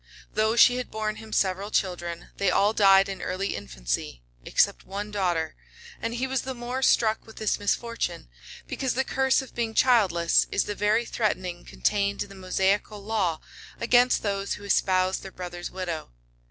Though she had born him several children, they all died in early infancy, except one daughter, and he was the more struck with this misfortune, because the curse of being childless is the very threatening contained in the Mosaical law against those who espouse their brother's widow.